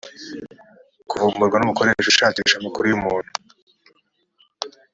kuvumburwa n umukoresha ushakisha amakuru y umuntu